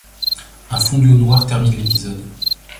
Un fondu au noir termine l'épisode.